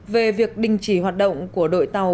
về việc đình chỉ hoạt động của đội tàu